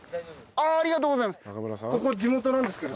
ありがとうございます。